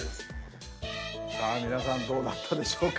さあ皆さんどうだったでしょうか？